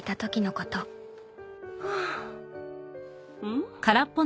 ・ん。